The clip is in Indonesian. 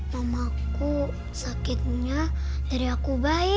mamaku sakitnya dari aku bayi